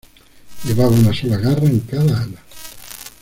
Llevaba una sola garra en cada ala.